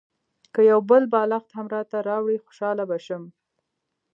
که یو بل بالښت هم راته راوړې خوشاله به شم.